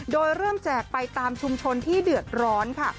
โดยเริ่มแจกไปตามชุมชนที่เดือดร้อนค่ะ